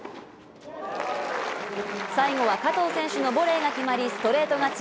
最後は加藤選手のボレーが決まりストレート勝ち。